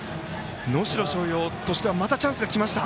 能代松陽としてはまたチャンスが来ました。